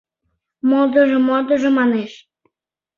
— Модыжо, модыжо!.. — манеш.